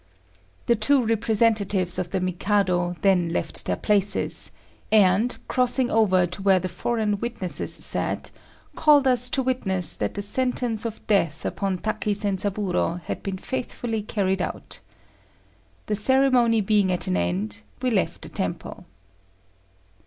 The two representatives of the Mikado then left their places, and, crossing over to where the foreign witnesses sat, called us to witness that the sentence of death upon Taki Zenzaburô had been faithfully carried out. The ceremony being at an end, we left the temple.